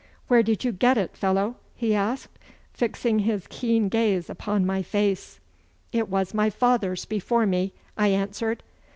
Where did you get it, fellow?' he asked, fixing his keen gaze upon my face. 'It was my father's before me,' I answered.